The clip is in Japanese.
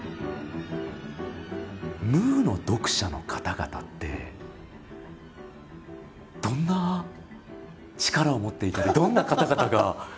「ムー」の読者の方々ってどんな力を持っていたりどんな方々がいらっしゃるんですか？